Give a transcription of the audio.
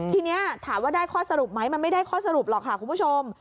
ทีนี้ถามว่าได้ข้อสรุปไหมมันไม่ได้ข้อสรุปหรอกค่ะคุณผู้ชม